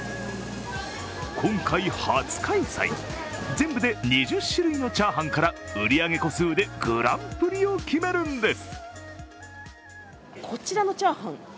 今回初開催、全部で２０種類のチャーハンから売り上げ個数でグランプリを決めるんです。